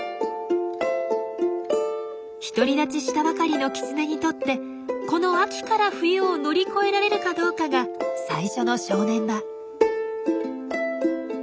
独り立ちしたばかりのキツネにとってこの秋から冬を乗り越えられるかどうかが最初の正念場。